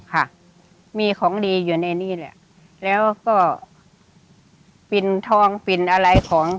ค่ะมีของดีอยู่ในนี่แหละแล้วก็ปิ่นทองปิ่นอะไรของ